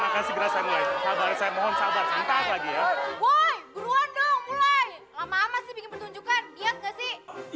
lama lama sih bikin pertunjukan lihat gak sih